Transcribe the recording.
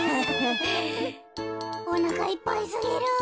おなかいっぱいすぎる。